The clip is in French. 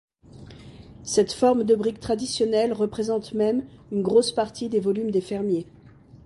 Cette forme de brique traditionnelle représente même une grosse partie des volumes des fermiers.